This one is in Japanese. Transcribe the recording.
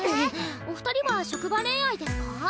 お二人は職場恋愛ですか？